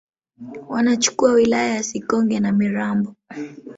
wanachukua wilaya ya Sikonge na Mirambo